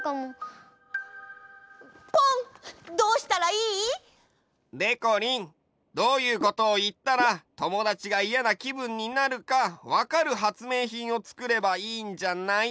ポンどうしたらいい？でこりんどういうことをいったらともだちがイヤなきぶんになるかわかる発明品をつくればいいんじゃない？